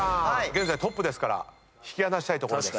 現在トップですから引き離したいところです。